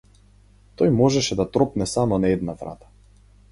Тој можеше да тропне само на една врата.